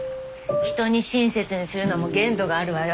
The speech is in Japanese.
人に親切にするのも限度があるわよ。